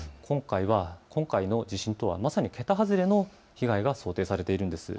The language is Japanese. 今回の地震とは桁外れの被害が予想されています。